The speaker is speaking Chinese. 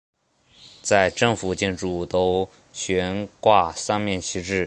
在政府建筑物都悬挂三面旗帜。